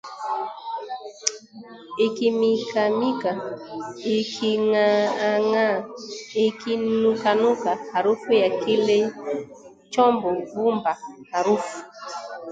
Ikimikamika – iking’aang’aa, ikinukanuka – harufu ya kile chombo, vumba - harufu